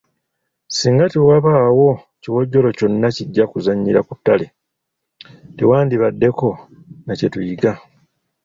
Singa tewabaawo kiwojjolo kyonna kijja kuzannyira ku ttule, tewandibaddeko na kye tuyiga.